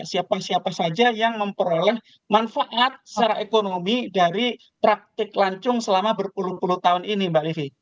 siapa siapa saja yang memperoleh manfaat secara ekonomi dari praktik lancung selama berpuluh puluh tahun ini mbak livi